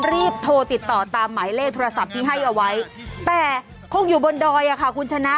รีบโทรติดต่อตามหมายเลขโทรศัพท์ที่ให้เอาไว้แต่คงอยู่บนดอยอ่ะค่ะคุณชนะ